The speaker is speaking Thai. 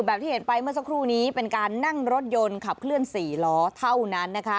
ที่เห็นไปเมื่อสักครู่นี้เป็นการนั่งรถยนต์ขับเคลื่อน๔ล้อเท่านั้นนะคะ